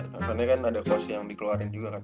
tentunya kan ada pos yang dikeluarin juga kan